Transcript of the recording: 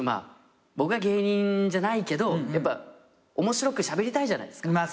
僕は芸人じゃないけど面白くしゃべりたいじゃないですか。